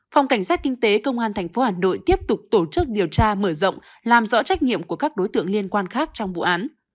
phòng cảnh sát kinh tế công an tp hà nội tiếp tục tổ chức điều tra mở rộng làm rõ trách nhiệm của các đối tượng liên quan khác trong vụ án